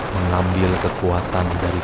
mengambil kekuatan dari